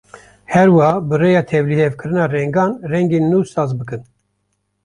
Her wiha bi rêya tevlihevkirina rengan, rengên nû saz bikin.